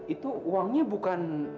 itu uangnya bukan